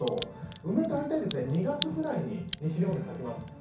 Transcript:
梅はだいたい２月くらいに西日本で咲きます。